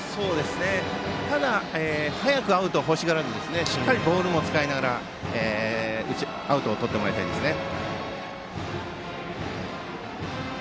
ただ早くアウトを欲しがらずにしっかりボールも使いながらアウトをとってもらいたいですね。